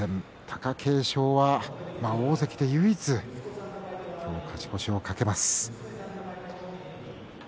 貴景勝は大関で唯一今日、勝ち越しを懸けます。